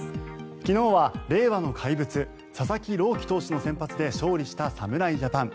昨日は令和の怪物佐々木朗希投手の先発で勝利した侍ジャパン。